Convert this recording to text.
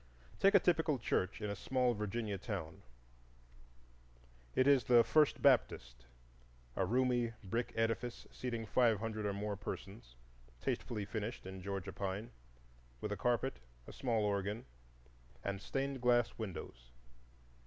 Take a typical church in a small Virginia town: it is the "First Baptist"—a roomy brick edifice seating five hundred or more persons, tastefully finished in Georgia pine, with a carpet, a small organ, and stained glass windows.